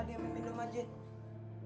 diam iam minum aja